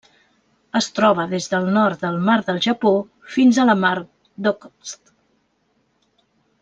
Es troba des del nord del Mar del Japó fins a la Mar d'Okhotsk.